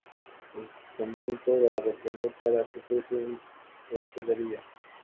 El convento la reformó para que fuese su hospedería.